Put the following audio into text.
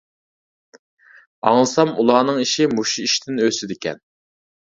ئاڭلىسام، ئۇلارنىڭ ئىشى مۇشۇ ئىشتىن ئۆسىدىكەن.